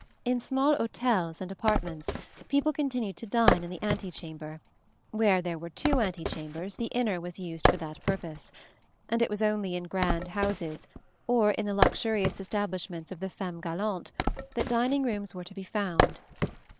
In small hôtels and apartments, people continued to dine in the antechamber; where there were two antechambers, the inner was used for that purpose; and it was only in grand houses, or in the luxurious establishments of the femmes galantes, that dining rooms were to be found.